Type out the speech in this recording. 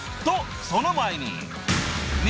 ［とその前に］